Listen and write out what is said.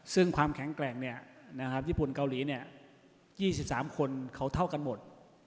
ซึ่งความแข็งแกร่งญี่ปุ่นเกาหลี๒๓คนเขาเท่ากันหมด